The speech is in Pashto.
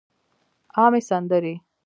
عامې سندرې